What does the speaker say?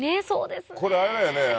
そうですね。